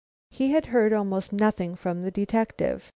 He had heard almost nothing from the detective.